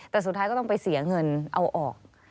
แต่สุดท้ายก็ต้องไปเสียเงินเอาออก